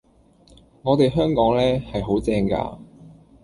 我哋香港呢，係好正㗎！